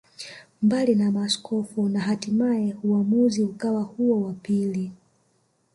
Mbali na maaskofu na hatimae uamuzi ukawa huo wa pili